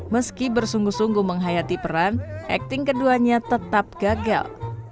meski bersungguh sungguh menghayati peran acting keduanya tetap gagal